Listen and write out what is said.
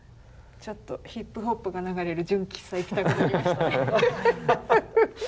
ちょっとヒップホップが流れる純喫茶行きたくなりましたね。